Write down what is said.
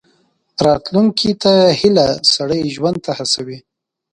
راتلونکي ته هیله، سړی ژوند ته هڅوي.